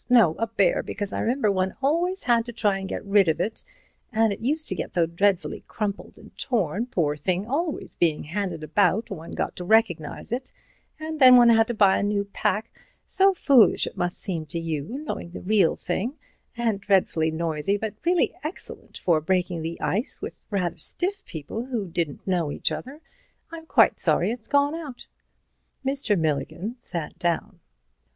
—no, a bear, because I remember one always had to try and get rid of it and it used to get so dreadfully crumpled and torn, poor thing, always being handed about, one got to recognize it, and then one had to buy a new pack—so foolish it must seem to you, knowing the real thing, and dreadfully noisy, but really excellent for breaking the ice with rather stiff people who didn't know each other—I'm quite sorry it's gone out." Mr. Milligan sat down.